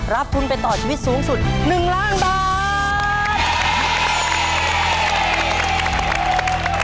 รับทุนไปต่อชีวิตสูงสุด๑ล้านบาท